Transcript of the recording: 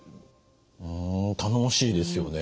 頼もしいですよね。